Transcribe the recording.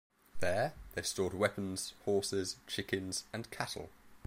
There, they stored weapons, horses, chickens, and cattle.